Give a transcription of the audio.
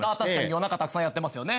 夜中たくさんやってますよね。